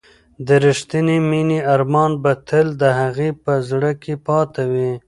د ریښتینې مینې ارمان به تل د هغې په زړه کې پاتې وي.